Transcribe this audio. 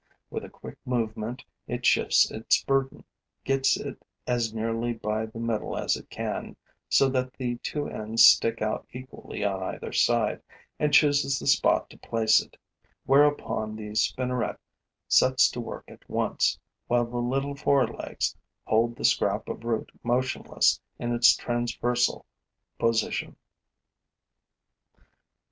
With a quick movement, it shifts its burden, gets it as nearly by the middle as it can, so that the two ends stick out equally on either side, and chooses the spot to place it, whereupon the spinneret sets to work at once, while the little fore legs hold the scrap of root motionless in its transversal position.